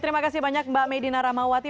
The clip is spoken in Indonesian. terima kasih banyak mbak medina rahmawati